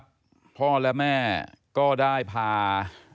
เพื่อที่จะได้หายป่วยทันวันที่เขาชีจันทร์จังหวัดชนบุรี